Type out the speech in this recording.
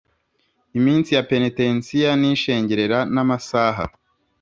iminsi ya penetensiya n’ishengerera n’amasaha